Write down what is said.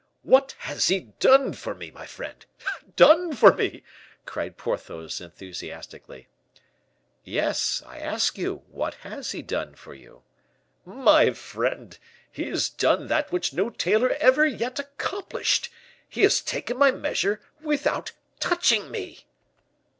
"What has he done for me, my friend! done for me!" cried Porthos, enthusiastically. "Yes, I ask you, what has he done for you?" "My friend, he has done that which no tailor ever yet accomplished: he has taken my measure without touching me!"